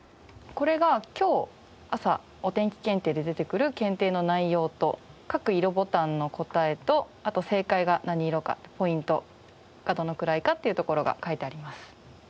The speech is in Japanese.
これが今日朝「お天気検定」で出てくる検定の内容と各色ボタンの答えとあと正解が何色かポイントがどのくらいかっていうところが書いてあります。